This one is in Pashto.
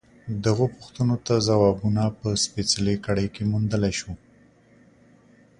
دغو پوښتنو ته ځوابونه په سپېڅلې کړۍ کې موندلای شو.